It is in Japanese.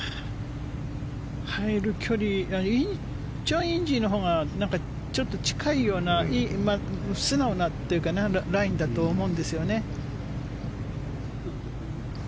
入る距離チョン・インジのほうがちょっと近いような素直なラインだと思うんですよね。